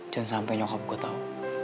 jangan sampai nyokap gue tau